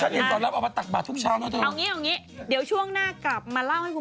ก็นี่ไงนี่ไงแล้วน้ำฝนไปไหนน้ำฝนไปไหน